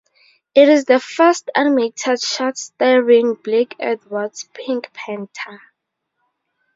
It is the first animated short starring Blake Edwards' Pink Panther.